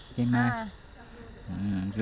cái măng mai